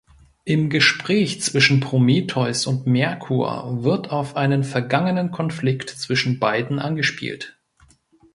Im Gespräch zwischen Prometheus und Merkur wird auf einen vergangenen Konflikt zwischen beiden angespielt.